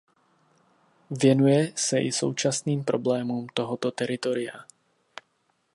Věnuje se i současným problémům tohoto teritoria.